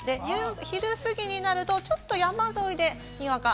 昼すぎになるとちょっと山沿いでにわか雨。